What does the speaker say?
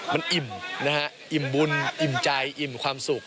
มันอิ่มนะฮะอิ่มบุญอิ่มใจอิ่มความสุข